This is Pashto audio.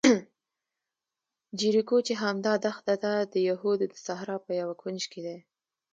جیریکو چې همدا دښته ده، د یهودو د صحرا په یوه کونج کې دی.